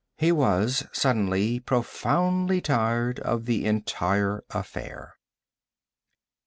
He was, suddenly, profoundly tired of the entire affair.